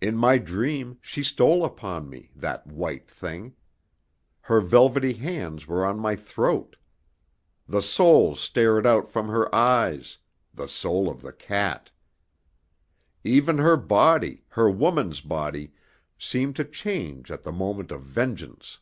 In my dream she stole upon me, that white thing! Her velvety hands were on my throat. The soul stared out from her eyes, the soul of the cat! Even her body, her woman's body, seemed to change at the moment of vengeance.